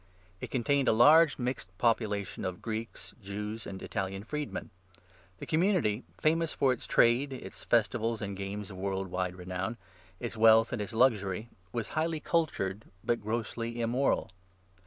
It contained a large, mixed population of Greeks, Jews, and Italian freedmen. The community — famous for its trade, its festivals and games of world wide renown, its wealth and its luxury — was highly cultured, but grossly immoral.